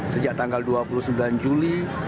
sejak tanggal dua puluh sembilan juli